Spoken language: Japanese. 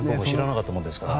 知らなかったです。